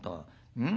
うん？